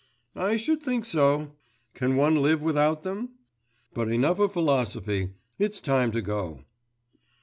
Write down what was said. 'I should think so! Can one live without them? But enough of philosophy. It's time to go.